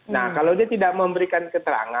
nah kalau dia tidak memberikan keterangan